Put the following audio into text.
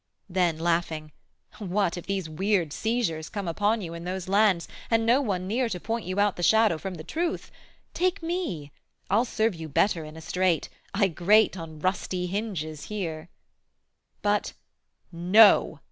Then laughing 'what, if these weird seizures come Upon you in those lands, and no one near To point you out the shadow from the truth! Take me: I'll serve you better in a strait; I grate on rusty hinges here:' but 'No!'